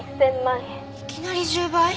いきなり１０倍！？